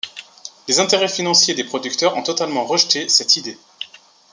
Les intérêts financiers des producteurs ont totalement rejeté cette idée.